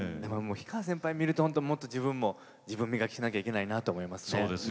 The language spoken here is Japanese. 氷川先輩を見るともっと自分も自分磨きしなきゃいけないなと思います。